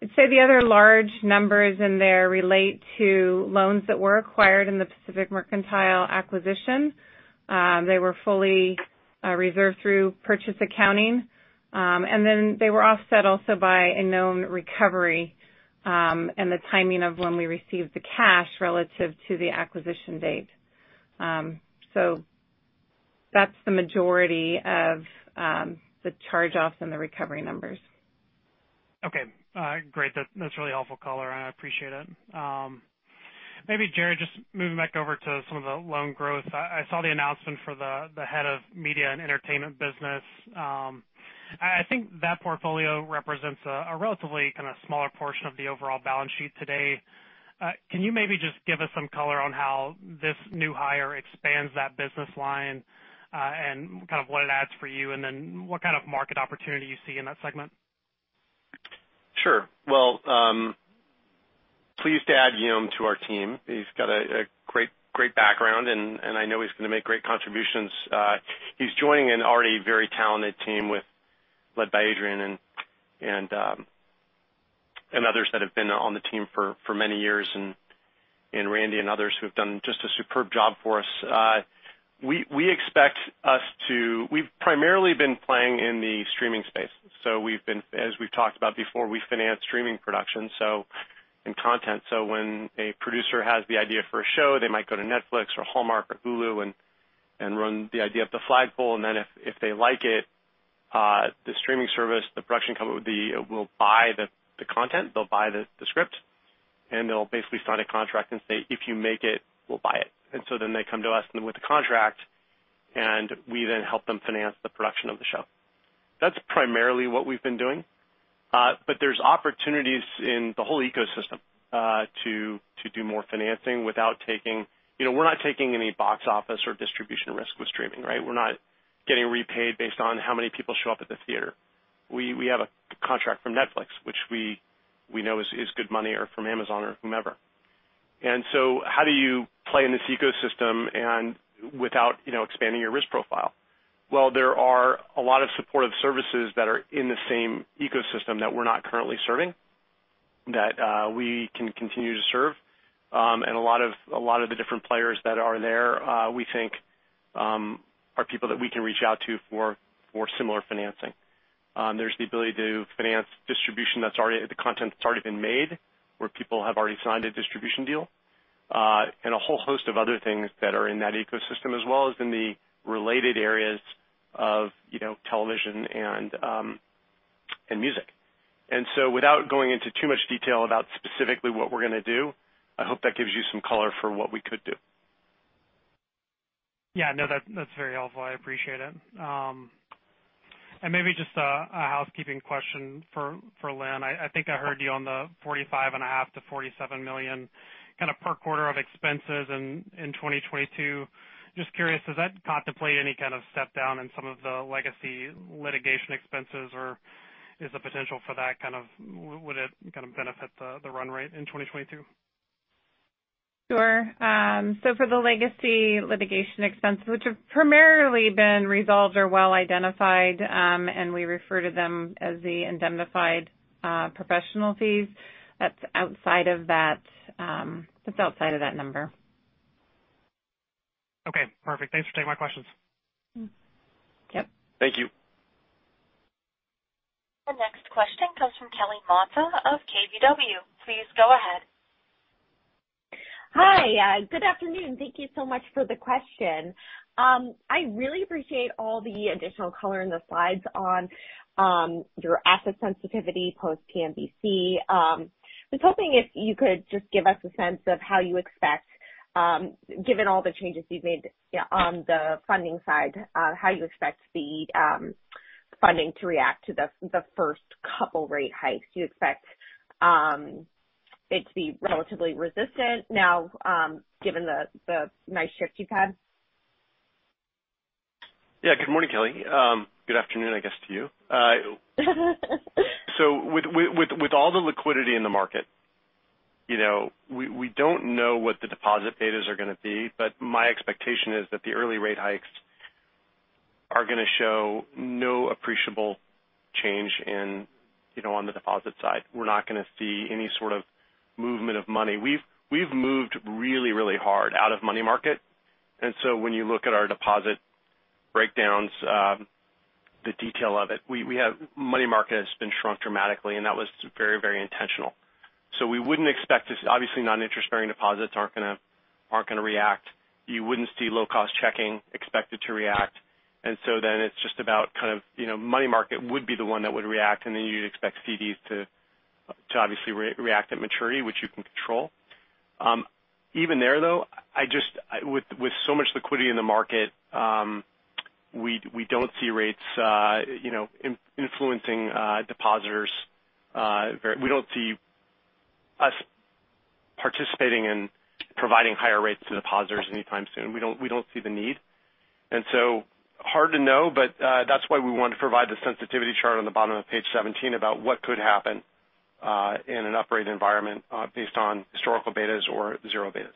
I'd say the other large numbers in there relate to loans that were acquired in the Pacific Mercantile acquisition. They were fully reserved through purchase accounting. They were offset also by a known recovery, and the timing of when we received the cash relative to the acquisition date. That's the majority of the charge-offs and the recovery numbers. Okay. Great. That's a really helpful color, and I appreciate it. Maybe Jared, just moving back over to some of the loan growth. I saw the announcement for the head of media and entertainment business. I think that portfolio represents a relatively kind of smaller portion of the overall balance sheet today. Can you maybe just give us some color on how this new hire expands that business line, and kind of what it adds for you? What kind of market opportunity you see in that segment? Sure. Well, pleased to add Guillaume to our team. He's got a great background, and I know he's gonna make great contributions. He's joining an already very talented team led by Adrian and others that have been on the team for many years, and Randy and others who have done just a superb job for us. We expect us to. We've primarily been playing in the streaming space, so we've been, as we've talked about before, we finance streaming production and content. When a producer has the idea for a show, they might go to Netflix or Hallmark or Hulu and run the idea up the flagpole. If they like it, the streaming service, the production company will buy the content. They'll buy the script, and they'll basically sign a contract and say, "If you make it, we'll buy it." They come to us and with the contract, and we then help them finance the production of the show. That's primarily what we've been doing. There's opportunities in the whole ecosystem to do more financing without taking. You know, we're not taking any box office or distribution risk with streaming, right? We're not getting repaid based on how many people show up at the theater. We have a contract from Netflix, which we know is good money, or from Amazon or whomever. How do you play in this ecosystem and without, you know, expanding your risk profile? Well, there are a lot of supportive services that are in the same ecosystem that we're not currently serving that we can continue to serve. A lot of the different players that are there we think are people that we can reach out to for similar financing. There's the ability to finance the content that's already been made, where people have already signed a distribution deal, and a whole host of other things that are in that ecosystem, as well as in the related areas of, you know, television and music. Without going into too much detail about specifically what we're gonna do, I hope that gives you some color for what we could do. Yeah. No, that's very helpful. I appreciate it. Maybe just a housekeeping question for Lynn. I think I heard you on the $45.5 million-$47 million kind of per quarter of expenses in 2022. Just curious, does that contemplate any kind of step down in some of the legacy litigation expenses, or is the potential for that kind of would it kind of benefit the run rate in 2022? Sure. For the legacy litigation expense, which have primarily been resolved or well identified, and we refer to them as the indemnified professional fees, that's outside of that number. Okay, perfect. Thanks for taking my questions. Yep. Thank you. The next question comes from Kelly Motta of KBW. Please go ahead. Hi. Good afternoon. Thank you so much for the question. I really appreciate all the additional color in the slides on your asset sensitivity post PMBC. I was hoping if you could just give us a sense of how you expect, given all the changes you've made, yeah, on the funding side, how you expect the funding to react to the first couple rate hikes. Do you expect it to be relatively resistant now, given the nice shift you've had? Yeah. Good morning, Kelly. Good afternoon, I guess, to you. With all the liquidity in the market, you know, we don't know what the deposit betas are gonna be, but my expectation is that the early rate hikes are gonna show no appreciable change in, you know, on the deposit side. We're not gonna see any sort of movement of money. We've moved really hard out of money market. When you look at our deposit breakdowns, the detail of it, we have money market has been shrunk dramatically, and that was very intentional. We wouldn't expect obviously, non-interest-bearing deposits aren't gonna react. You wouldn't see low-cost checking expected to react. It's just about kind of money market would be the one that would react, and then you'd expect to see these to obviously reprice at maturity, which you can control. Even there, though, with so much liquidity in the market, we don't see rates, you know, influencing depositors very much—we don't see us participating in providing higher rates to depositors anytime soon. We don't see the need. Hard to know, but that's why we wanted to provide the sensitivity chart on the bottom of page 17 about what could happen in an up-rate environment based on historical betas or zero betas.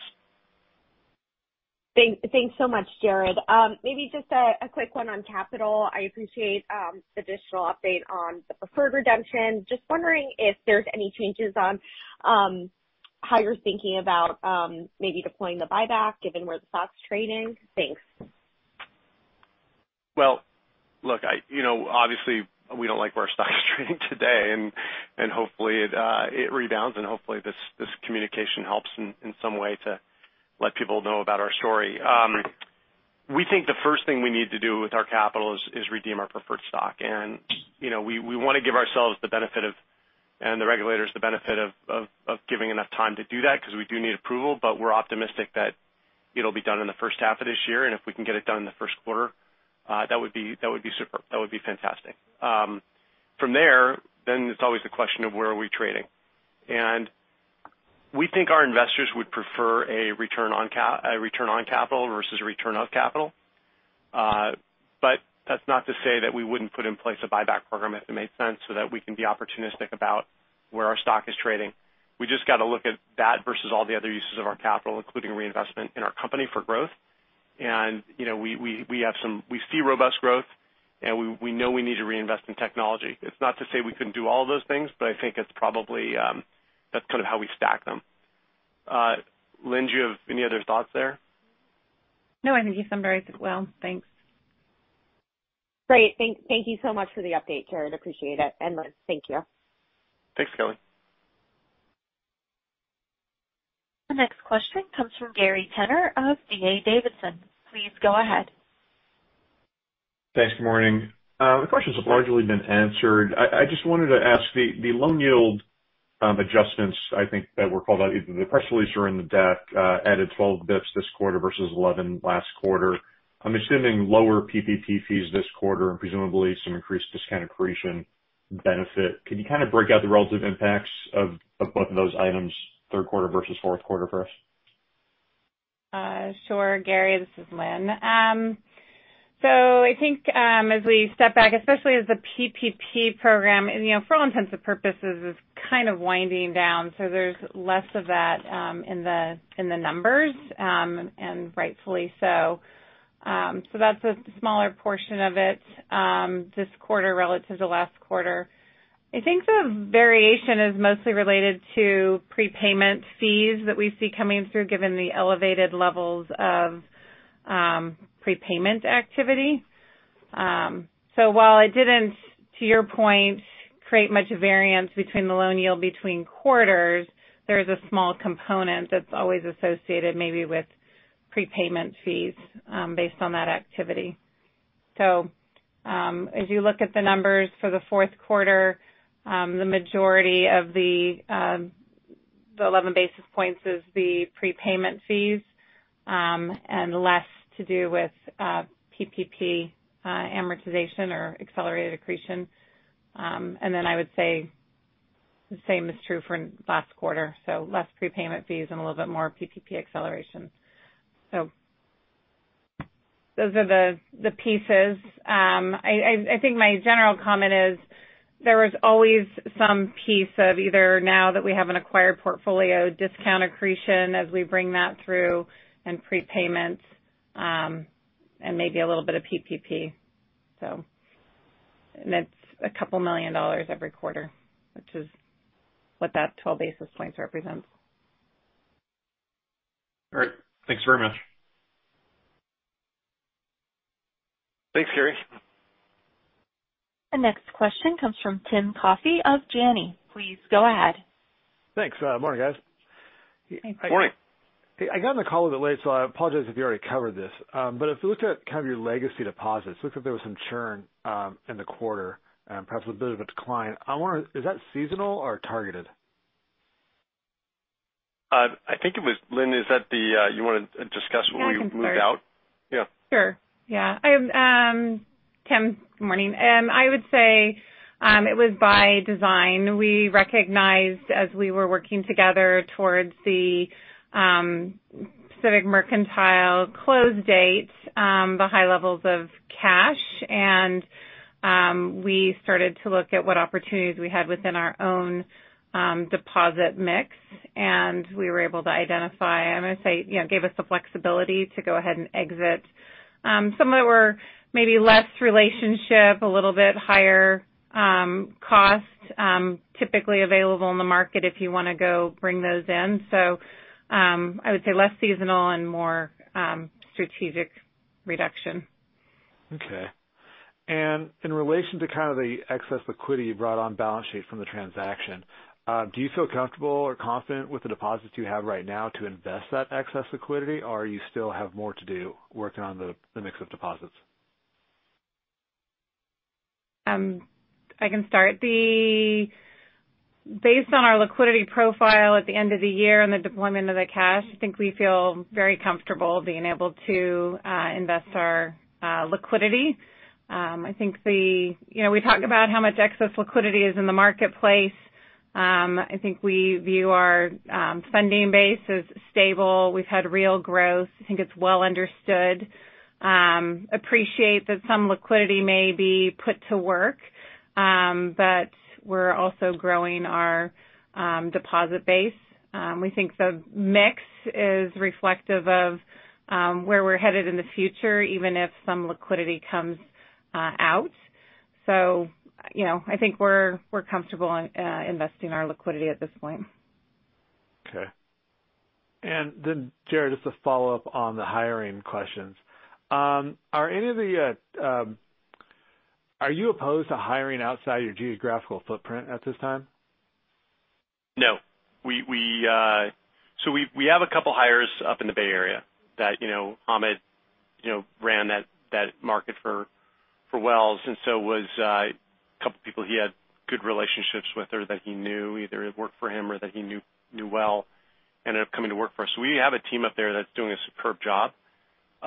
Thanks so much, Jared. Maybe just a quick one on capital. I appreciate the additional update on the preferred redemption. Just wondering if there's any changes on how you're thinking about maybe deploying the buyback given where the stock's trading. Thanks. Well, look, you know, obviously we don't like where our stock's trading today and hopefully it rebounds and hopefully this communication helps in some way to let people know about our story. We think the first thing we need to do with our capital is redeem our preferred stock. You know, we wanna give ourselves the benefit of, and the regulators the benefit of giving enough time to do that because we do need approval, but we're optimistic that it'll be done in the first half of this year. If we can get it done in the first quarter, that would be super. That would be fantastic. From there, it's always the question of where are we trading? We think our investors would prefer a return on capital versus a return of capital. That's not to say that we wouldn't put in place a buyback program if it made sense so that we can be opportunistic about where our stock is trading. We just gotta look at that versus all the other uses of our capital, including reinvestment in our company for growth. You know, we see robust growth, and we know we need to reinvest in technology. It's not to say we couldn't do all of those things, but I think it's probably, that's kind of how we stack them. Lynn, do you have any other thoughts there? No, I think you summarized it well. Thanks. Great. Thank you so much for the update, Jared. Appreciate it. Lynn, thank you. Thanks, Kelly. The next question comes from Gary Tenner of D.A. Davidson. Please go ahead. Thanks. Good morning. The questions have largely been answered. I just wanted to ask the loan yield adjustments I think that were called out either in the press release or in the deck added 12 basis points this quarter versus 11 basis points last quarter. I'm assuming lower PPP fees this quarter and presumably some increased discount accretion benefit. Can you kind of break out the relative impacts of both of those items third quarter versus fourth quarter for us? Sure, Gary. This is Lynn. I think, as we step back, especially as the PPP program, and, you know, for all intents and purposes, is kind of winding down, so there's less of that, in the numbers, and rightfully so. That's a smaller portion of it, this quarter relative to last quarter. I think the variation is mostly related to prepayment fees that we see coming through given the elevated levels of prepayment activity. While it didn't, to your point, create much variance between the loan yield between quarters, there is a small component that's always associated maybe with prepayment fees, based on that activity. As you look at the numbers for the fourth quarter, the majority of the 11 basis points is the prepayment fees, and less to do with PPP amortization or accelerated accretion. Then I would say the same is true for last quarter, less prepayment fees and a little bit more PPP accelerations. Those are the pieces. I think my general comment is there was always some piece of either now that we have an acquired portfolio discount accretion as we bring that through and prepayments, and maybe a little bit of PPP. And that's a couple million dollars every quarter, which is what that 12 basis points represents. All right. Thanks very much. Thanks, Gary. The next question comes from Tim Coffey of Janney. Please go ahead. Thanks. Morning, guys. Hey. Morning. Hey, I got on the call a bit late, so I apologize if you already covered this. If you look at kind of your legacy deposits, looks like there was some churn in the quarter, perhaps a bit of a decline. I wonder, is that seasonal or targeted? Lynn, is that the you wanna discuss what we moved out? Yeah, I can start. Yeah. Sure, yeah. I, Tim, good morning. I would say it was by design. We recognized as we were working together towards the Pacific Mercantile close date, the high levels of cash and we started to look at what opportunities we had within our own deposit mix, and we were able to identify. I'm gonna say, you know, gave us the flexibility to go ahead and exit some that were maybe less relationship, a little bit higher cost, typically available in the market if you wanna go bring those in. I would say less seasonal and more strategic reduction. Okay. In relation to kind of the excess liquidity you brought on balance sheet from the transaction, do you feel comfortable or confident with the deposits you have right now to invest that excess liquidity, or you still have more to do working on the mix of deposits? I can start. Based on our liquidity profile at the end of the year and the deployment of the cash, I think we feel very comfortable being able to invest our liquidity. I think, you know, we talk about how much excess liquidity is in the marketplace. I think we view our funding base as stable. We've had real growth. I think it's well understood. I appreciate that some liquidity may be put to work, but we're also growing our deposit base. We think the mix is reflective of where we're headed in the future, even if some liquidity comes out. You know, I think we're comfortable investing our liquidity at this point. Okay. Jared, just to follow up on the hiring questions. Are you opposed to hiring outside your geographical footprint at this time? No. We have a couple hires up in the Bay Area that, you know, Hamid, you know, ran that market for Wells. A couple people he had good relationships with or that he knew either had worked for him or that he knew well ended up coming to work for us. We have a team up there that's doing a superb job,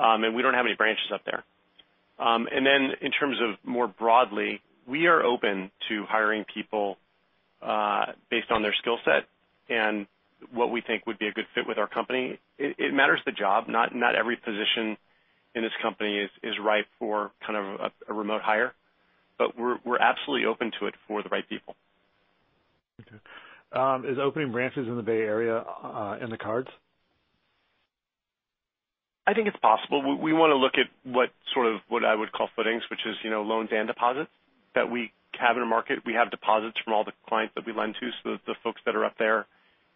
and we don't have any branches up there. In terms of more broadly, we are open to hiring people based on their skill set and what we think would be a good fit with our company. It matters the job. Not every position in this company is ripe for kind of a remote hire, but we're absolutely open to it for the right people. Okay. Is opening branches in the Bay Area in the cards? I think it's possible. We wanna look at what sort of what I would call footings, which is, you know, loans and deposits that we have in a market. We have deposits from all the clients that we lend to, so the folks that are up there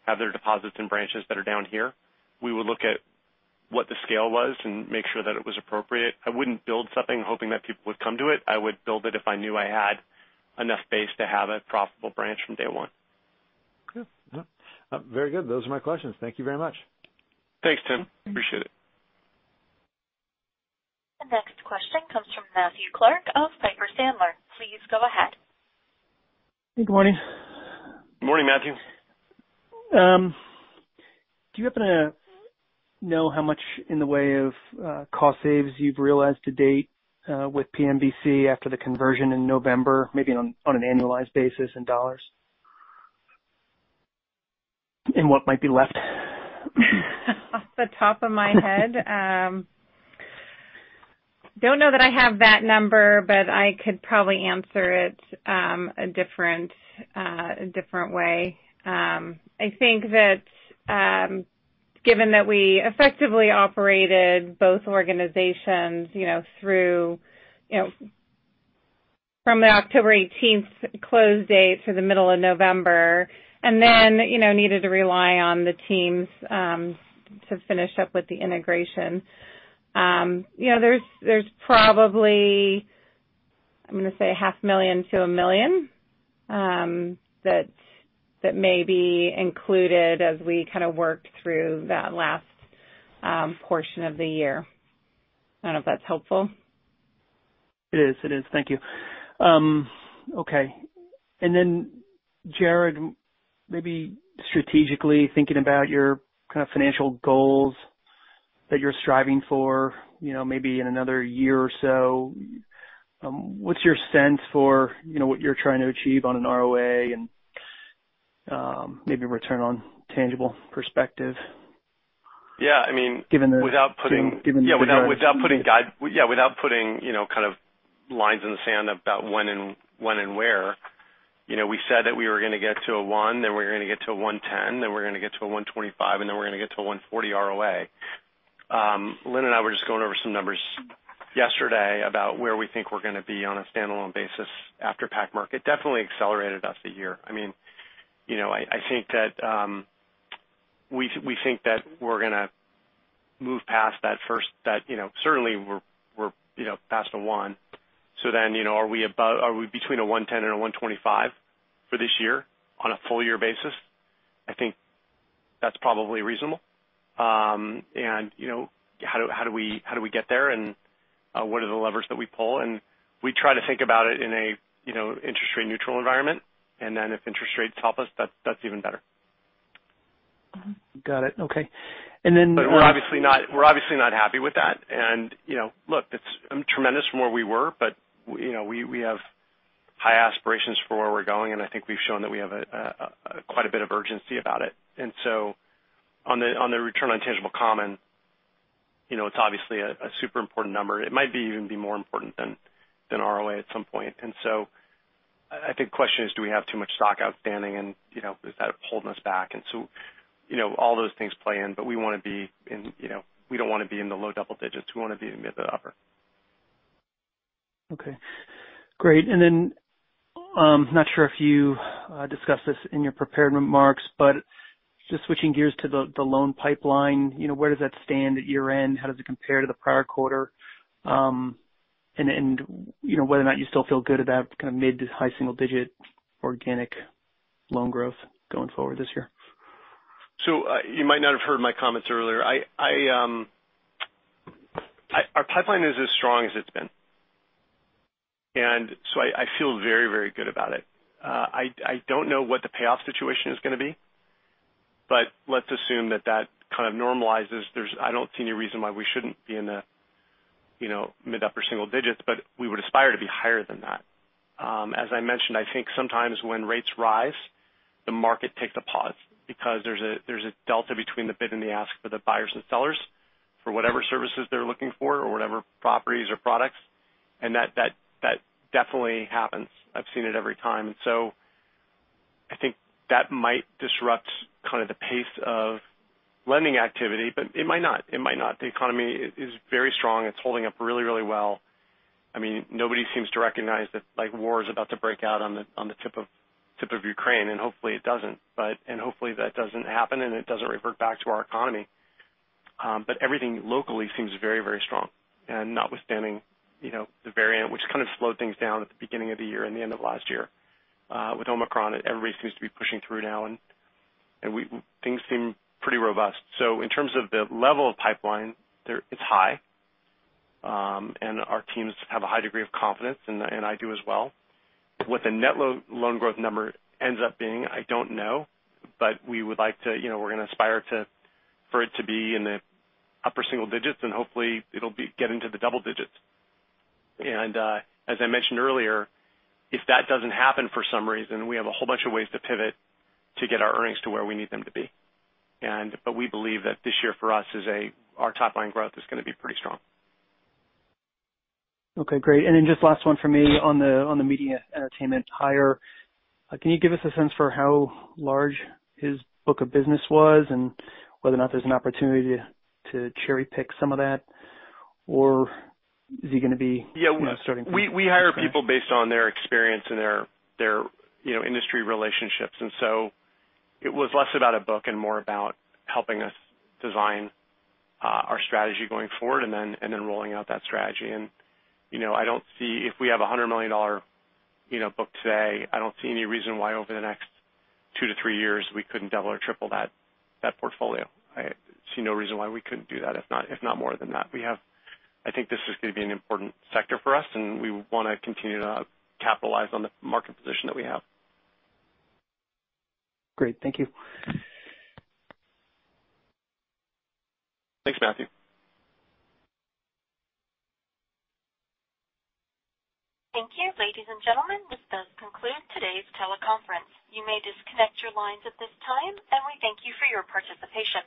have their deposits in branches that are down here. We would look at what the scale was and make sure that it was appropriate. I wouldn't build something hoping that people would come to it. I would build it if I knew I had enough base to have a profitable branch from day one. Okay. Very good. Those are my questions. Thank you very much. Thanks, Tim. I appreciate it. The next question comes from Matthew Clark of Piper Sandler. Please go ahead. Good morning. Morning, Matthew. Do you happen to know how much in the way of cost savings you've realized to date with PMBC after the conversion in November, maybe on an annualized basis in dollars? What might be left? Off the top of my head, don't know that I have that number, but I could probably answer it a different way. I think that given that we effectively operated both organizations, you know, through, you know, from the October 18th close date through the middle of November, and then, you know, needed to rely on the teams to finish up with the integration. You know, there's probably, I'm gonna say $500,000-$1 million that may be included as we kinda work through that last portion of the year. I don't know if that's helpful. It is. Thank you. Okay. Jared, maybe strategically thinking about your kind of financial goals that you're striving for, you know, maybe in another year or so, what's your sense for, you know, what you're trying to achieve on an ROA and, maybe return on tangible perspective? Yeah. I mean. Given the- Without putting- Given the- Yeah. Without putting, you know, kind of lines in the sand about when and where. You know, we said that we were gonna get to a 1%, then we're gonna get to a 1.10%, then we're gonna get to a 1.25%, and then we're gonna get to a 1.40% ROA. Lynn and I were just going over some numbers yesterday about where we think we're gonna be on a standalone basis after Pac-Merc definitely accelerated us this year. I mean, you know, I think that we think that we're gonna move past that first, you know, certainly we're past the 1%. You know, are we between a 1.10% and a 1.25% for this year on a full year basis? I think that's probably reasonable. You know, how do we get there, and what are the levers that we pull? We try to think about it in a you know, interest rate neutral environment. If interest rates help us, that's even better. Got it. Okay. We're obviously not happy with that. You know, it's tremendous from where we were, but you know, we have high aspirations for where we're going, and I think we've shown that we have quite a bit of urgency about it. On the return on tangible common, you know, it's obviously a super important number. It might even be more important than ROA at some point. I think the question is do we have too much stock outstanding and, you know, is that holding us back? You know, all those things play in, but we wanna be in, you know, we don't wanna be in the low double digits. We wanna be in the upper. Okay. Great. Not sure if you discussed this in your prepared remarks, but just switching gears to the loan pipeline. You know, where does that stand at year-end? How does it compare to the prior quarter? You know, whether or not you still feel good about kind of mid to high single digit organic loan growth going forward this year. You might not have heard my comments earlier. Our pipeline is as strong as it's been. I feel very, very good about it. I don't know what the payoff situation is gonna be, but let's assume that kind of normalizes. I don't see any reason why we shouldn't be in the, you know, mid upper single digits, but we would aspire to be higher than that. As I mentioned, I think sometimes when rates rise, the market takes a pause because there's a delta between the bid and the ask for the buyers and sellers for whatever services they're looking for or whatever properties or products, and that definitely happens. I've seen it every time. I think that might disrupt kind of the pace of lending activity, but it might not. The economy is very strong. It's holding up really, really well. I mean, nobody seems to recognize that like war is about to break out on the tip of Ukraine, and hopefully it doesn't. But hopefully that doesn't happen, and it doesn't revert back to our economy. But everything locally seems very, very strong. Notwithstanding, you know, the variant, which kind of slowed things down at the beginning of the year and the end of last year, with Omicron, everybody seems to be pushing through now, and things seem pretty robust. In terms of the level of pipeline, it's high. And our teams have a high degree of confidence and I do as well. What the net loan growth number ends up being, I don't know, but we would like to, you know, we're gonna aspire to, for it to be in the upper single digits, and hopefully it'll get into the double digits. As I mentioned earlier, if that doesn't happen for some reason, we have a whole bunch of ways to pivot to get our earnings to where we need them to be. But we believe that this year for us is a, our top line growth is gonna be pretty strong. Okay, great. Just last one for me on the media entertainment hire. Can you give us a sense for how large his book of business was and whether or not there's an opportunity to cherry-pick some of that, or is he gonna be— Yeah. — you know, starting from— We hire people based on their experience and their, you know, industry relationships. It was less about a book and more about helping us design our strategy going forward and then rolling out that strategy. You know, I don't see if we have a $100 million, you know, book today. I don't see any reason why over the next two to three years, we couldn't double or triple that portfolio. I see no reason why we couldn't do that, if not more than that. I think this is gonna be an important sector for us, and we wanna continue to capitalize on the market position that we have. Great. Thank you. Thanks, Matthew. Thank you. Ladies and gentlemen, this does conclude today's teleconference. You may disconnect your lines at this time, and we thank you for your participation.